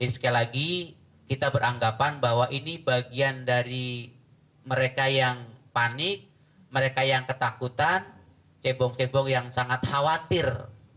sekali lagi kita beranggapan bahwa ini bagian dari mereka yang panik mereka yang ketakutan cebong cebong yang sangat khawatir